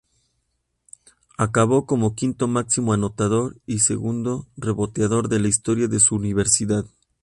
Acabó como quinto máximo anotador y segundo reboteador de la historia de su universidad.